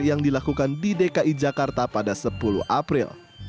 yang dilakukan di dki jakarta pada sepuluh april